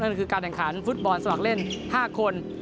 นั่นคือการแข่งขันฟุตบอลสมัครเล่น๕คน